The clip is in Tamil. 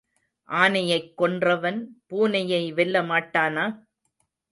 ஆனையைக் கொன்றவன் பூனையை வெல்ல மாட்டானா?